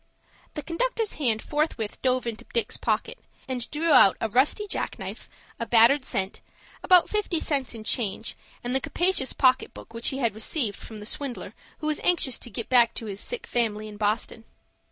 The conductor's hand forthwith dove into Dick's pocket, and drew out a rusty jack knife, a battered cent, about fifty cents in change, and the capacious pocket book which he had received from the swindler who was anxious to get back to his sick family in Boston.